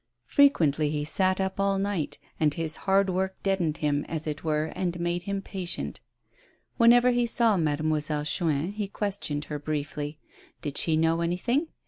Frequently he sat up all night, and this hard work deadened him, as it were, and made him patient. Whenever he saw Mademoiselle Chuin he questioned her briefly. Did she know anything?